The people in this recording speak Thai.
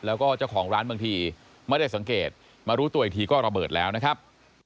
แล้วก็เจ้าของร้านบางทีไม่ได้สังเกตมารู้ตัวอีกทีก็ระเบิดแล้วนะครับ